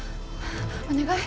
お願い。